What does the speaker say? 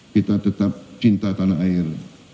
kita tetap cinta tanah air